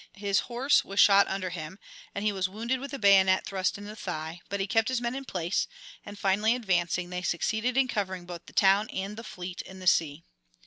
His horse was shot under him, and he was wounded with a bayonet thrust in the thigh; but he kept his men in place, and finally advancing they succeeded in covering both the town and the fleet in the sea.